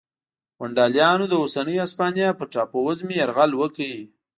ونډالیانو د اوسنۍ هسپانیا پر ټاپو وزمې یرغل وکړ